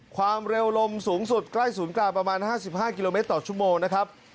ความเร็วลมสูงสุดใกล้ศูนย์กลางประมาณ๕๕กิโลเมตรต่อชั่วโมงนะครับ